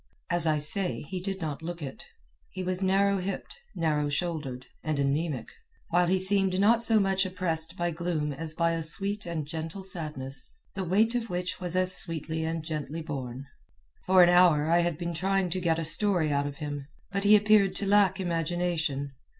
As I say, he did not look it. He was narrow hipped, narrow shouldered, and anaemic, while he seemed not so much oppressed by gloom as by a sweet and gentle sadness, the weight of which was as sweetly and gently borne. For an hour I had been trying to get a story out of him, but he appeared to lack imagination.